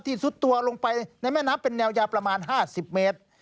ซุดตัวลงไปในแม่น้ำเป็นแนวยาวประมาณ๕๐เมตร